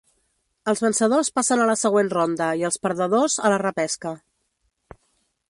Els vencedors passen a la següent ronda i els perdedors a la repesca.